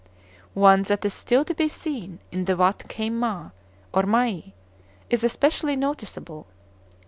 One that is still to be seen in the Watt Kheim Mah, or Mai, is especially noticeable.